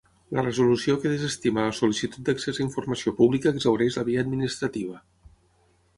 La resolució que desestima la sol·licitud d'accés a informació pública exhaureix la via administrativa.